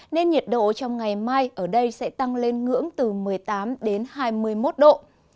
nên nhiệt độ trong ngày mai ở đây sẽ tăng lên ngưỡng từ một mươi tám đến hai mươi một độ